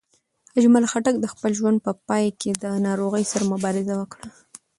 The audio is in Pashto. اجمل خټک د خپل ژوند په پای کې د ناروغۍ سره مبارزه وکړه.